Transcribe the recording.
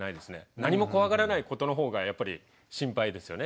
何も怖がらないことの方がやっぱり心配ですよね